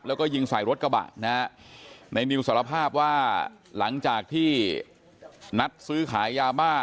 แล้วก็ยิงใส่รถกระบะนะฮะในนิวสารภาพว่าหลังจากที่นัดซื้อขายยาบ้า